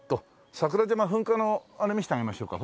桜島噴火のあれ見せてあげましょうか？